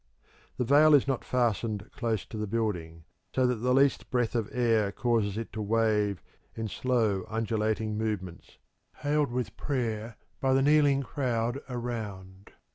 The veil is not fastened close to the building, so that the least breath of air causes it to wave in slow, undulating movements, hailed with prayer by the kneeling crowd around.